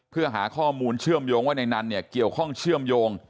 เพื่อหาข้อมูลเชื่อมโยงว่าในนั้นเนี่ยเกี่ยวข้องเชื่อมโยง